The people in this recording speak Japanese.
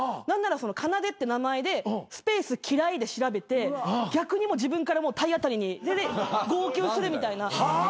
何なら「かなで」って名前で「スペース嫌い」で調べて逆にもう自分から体当たりに。で号泣するみたいな。